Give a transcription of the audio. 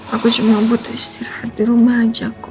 aku cuma butuh istirahat di rumah aja kok